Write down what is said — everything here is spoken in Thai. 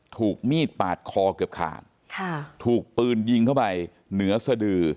ถูกมีดปาดคอเกือบขาดค่ะถูกปืนยิงเข้าไปเหนือสดือ